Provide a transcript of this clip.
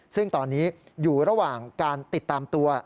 ซึ่งตอนนี้อยู่ระหว่างการติดตามตัว